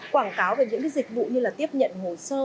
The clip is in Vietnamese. quảng cáo về những dịch vụ như là tiếp nhận hồ sơ